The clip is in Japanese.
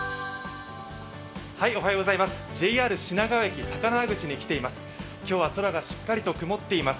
ＪＲ品川駅・高輪口に来ています。